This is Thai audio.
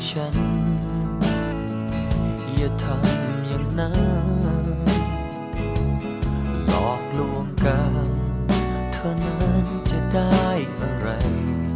หลอกลวงกันเธอนั้นจะได้อะไร